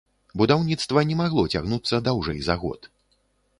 Будаўніцтва не магло цягнуцца даўжэй за год.